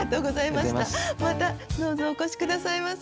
またどうぞお越し下さいませ。